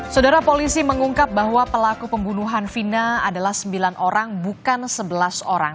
saudara polisi mengungkap bahwa pelaku pembunuhan vina adalah sembilan orang bukan sebelas orang